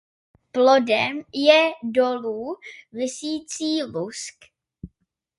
Plodem je dolů visící lusk.